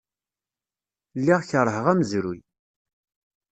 Lliɣ keṛheɣ amezruy.